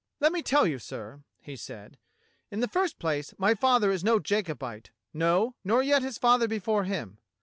"Let me tell you, sir," he said, "in the first place, my father is no Jacobite, no, nor yet his father before him.